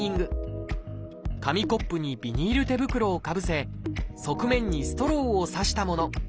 紙コップにビニール手袋をかぶせ側面にストローを刺したもの。